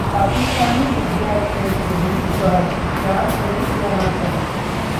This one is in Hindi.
पाकिस्तानी विद्यार्थियों के बीच बहस, प्यार करें या ना करें